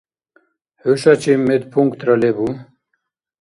Хӏушачиб медпунктра лебу?